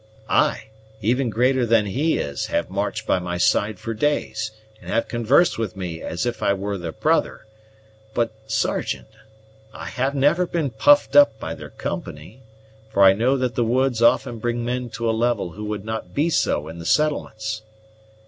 "Ay, even greater than he is have marched by my side for days, and have conversed with me as if I were their brother; but, Sergeant, I have never been puffed up by their company, for I know that the woods often bring men to a level who would not be so in the settlements."